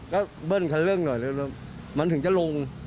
ก็เบิ้ลคันเร่งหน่อยแล้วมันถึงจะลง